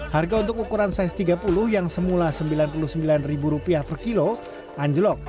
harga untuk ukuran size tiga puluh yang semula rp sembilan puluh sembilan per kilo anjlok